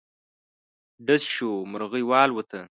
ډز شو، مرغی والوته.